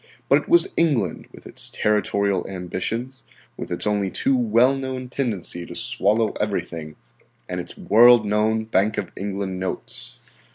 But it was England, with its territorial ambitions, with its only too well known tendency to swallow everything, and its world known Bank of England notes.